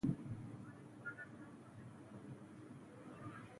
تیمورشاه پرمختګ په نیت کې لري.